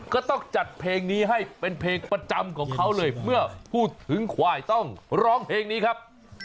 ก็ต้องจัดเพลงนี้ให้เป็นเพลงประจำของเขาเลยเมื่อพูดถึงควายต้องร้องเพลงนี้ครับ